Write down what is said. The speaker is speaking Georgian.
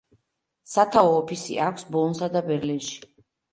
სათავო ოფისი აქვს ბონსა და ბერლინში.